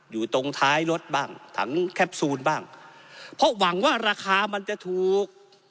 อยู่ตรงท้ายรถบ้างถังแคปซูลบ้างเพราะหวังว่าราคามันจะถูก